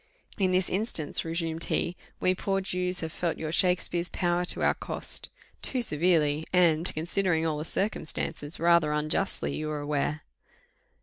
"In this instance," resumed he, "we poor Jews have felt your Shakspeare's power to our cost too severely, and, considering all the circumstances, rather unjustly, you are aware."